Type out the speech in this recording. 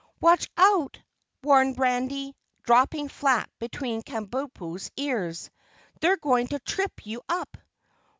"Watch out!" warned Randy, dropping flat between Kabumpo's ears. "They're going to trip you up."